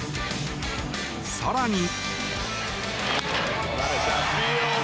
更に。